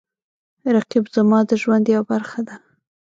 رقیب زما د ژوند یوه برخه ده